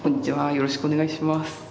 よろしくお願いします。